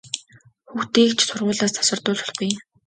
Хүүхдийг ч сургуулиас завсардуулж болохгүй!